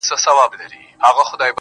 زما په سترگو كي را رسم كړي.